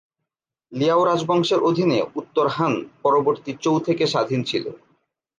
Leão রাজবংশের অধীনে উত্তর হান পরবর্তী চৌ থেকে স্বাধীন ছিল।